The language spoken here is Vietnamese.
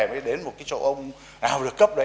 mới đến một cái chỗ ông nào